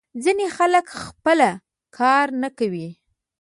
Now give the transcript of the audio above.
ځینې خلک خپله کار نه کوي.